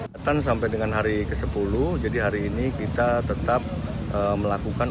datang sampai dengan hari ke sepuluh jadi hari ini kita tetap melakukan